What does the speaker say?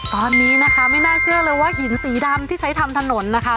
ตอนนี้นะคะไม่น่าเชื่อเลยว่าหินสีดำที่ใช้ทำถนนนะคะ